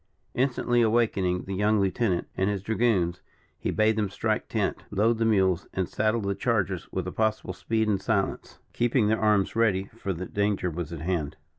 Instantly awakening the young lieutenant, and his dragoons, he bade them strike tent, load the mules, and saddle the chargers with the possible speed and silence, keeping their arms ready, for that danger was at hand.